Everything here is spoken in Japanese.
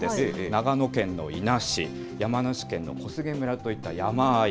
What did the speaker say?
長野県の伊那市、山梨県の小菅村といった山あい。